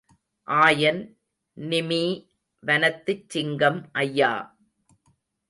ஆயன், நிமீ வனத்துச் சிங்கம், ஐயா!